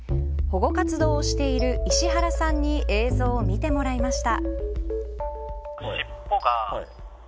保護活動をしている石原さんに映像を見てもらいました。